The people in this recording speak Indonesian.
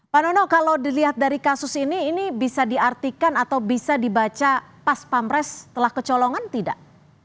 pak nono kalau dilihat dari kasus ini ini bisa diartikan atau bisa dibaca pas pamres telah kecolongan tidak